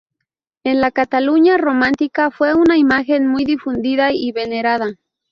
En la Cataluña románica fue una imagen muy difundida y venerada.